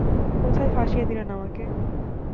কোথায় ফাঁসিয়ে দিলেন আমাকে?